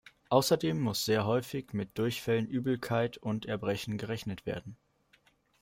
Außerdem muss sehr häufig mit Durchfällen, Übelkeit und Erbrechen gerechnet werden.